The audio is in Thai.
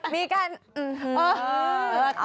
มีการมฮือ